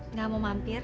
nggak mau mampir